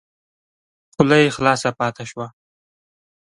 خوله یې خلاصه پاته شوه !